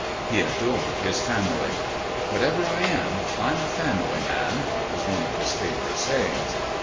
He adored his family. "Whatever I am, I'm a family man," was one of his favourite sayings.